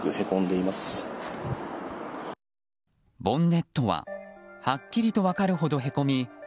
ボンネットははっきりと分かるほどへこみ